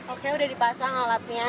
oke udah dipasang alatnya